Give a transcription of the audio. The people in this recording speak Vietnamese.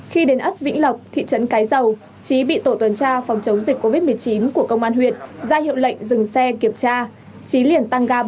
khi đến ấp vĩnh lộc thị trấn cái dầu trí bị tổ tuần tra phòng chống dịch covid một mươi chín của công an huyện ra hiệu lệnh dừng xe kiểm tra